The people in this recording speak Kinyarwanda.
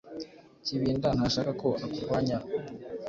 Kibinda ntashaka ko akurwanya.